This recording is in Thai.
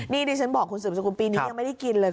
นี่ดิฉันบอกคุณสืบสกุลปีนี้ยังไม่ได้กินเลย